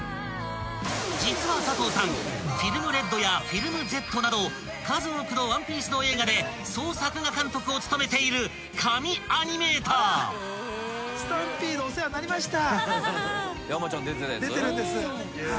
［実は佐藤さん『ＦＩＬＭＲＥＤ』や『ＦＩＬＭＺ』など数多くの『ワンピース』の映画で総作画監督を務めている神アニメーター］出てるんです。